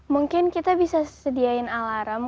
mungkin kita bisa sediain alarm